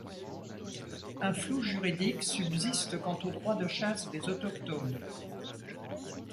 Un flou juridique subsiste quant aux droits de chasse des autochtones.